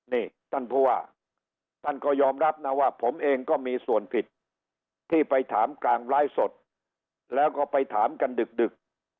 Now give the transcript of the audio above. นี่ท่านผู้ว่าท่านก็ยอมรับนะว่าผมเองก็มีส่วนผิดที่ไปถามกลางไลฟ์สดแล้วก็ไปถามกันดึก